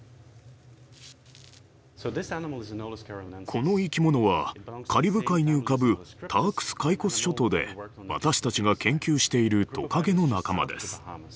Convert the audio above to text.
この生き物はカリブ海に浮かぶタークス・カイコス諸島で私たちが研究しているトカゲの仲間です。